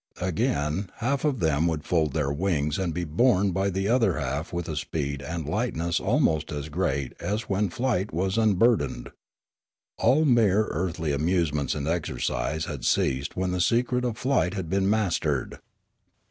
Again half of them would fold their wings and be borne by the other half with a speed and lightness almost as great as when flight was unburdened. All mere earthly amusements and exercise had ceased when the secret of flight had been mastered.